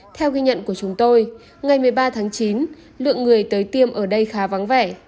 theo ghi nhận của chúng tôi ngày một mươi ba tháng chín lượng người tới tiêm ở đây khá vắng vẻ